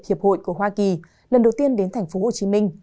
hiệp hội của hoa kỳ lần đầu tiên đến tp hcm